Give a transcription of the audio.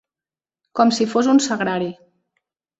Com si fos un sagrari.